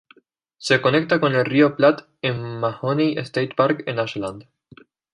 Se conecta con el río Platte en Mahoney State Park en Ashland.